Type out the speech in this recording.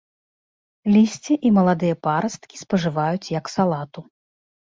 Лісце і маладыя парасткі спажываюць як салату.